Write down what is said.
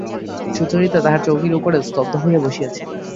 সুচরিতা তাহার চৌকির উপরে স্তব্ধ হইয়া বসিয়া ছিল।